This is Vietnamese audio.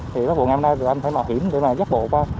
thì lúc này thì anh phải mặc hiểm để mà giác bộ qua